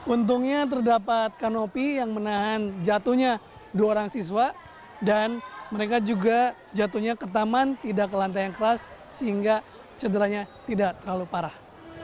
untungnya terdapat kanopi yang menahan jatuhnya dua orang siswa dan mereka juga jatuhnya ke taman tidak ke lantai yang keras sehingga cederanya tidak terlalu parah